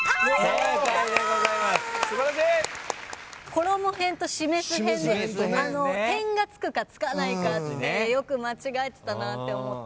ころもへんとしめすへんで点が付くか付かないかってよく間違えてたなって思って。